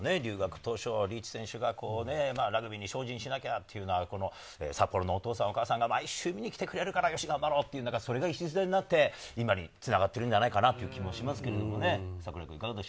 きっと留学当初、リーチ選手、ラグビーに精進しなきゃという、札幌のお父さんお母さんが毎週見に来てくれるから、よし頑張ろう！っていう、それが礎になって、今に繋がってるんじゃないかなという気がしますね。